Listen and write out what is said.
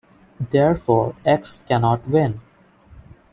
Therefore X cannot win.